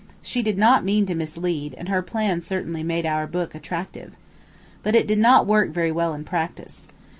She did not mean to mislead, and her plan certainly made our book attractive. But it did not work very well in practice.